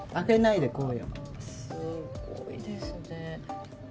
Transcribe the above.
すごいですね。